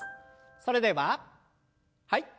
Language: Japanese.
それでははい。